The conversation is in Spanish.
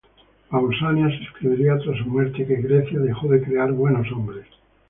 Pausanias escribiría tras su muerte que, "Grecia dejó de crear buenos hombres".